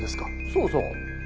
そうそう。